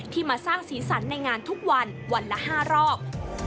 มาสร้างสีสันในงานทุกวันวันละ๕รอบ